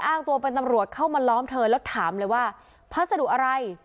อ้างตัวเป็นตำรวจเข้ามาล้อมเธอแล้วถามเลยว่าพัสดุอะไร